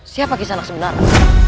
siapa kisanak sebenarnya